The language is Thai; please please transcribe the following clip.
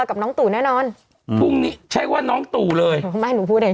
กับน้องตู่แน่นอนอืมพรุ่งนี้ใช้ว่าน้องตู่เลยไม่ให้หนูพูดเอง